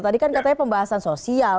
tadi kan katanya pembahasan sosial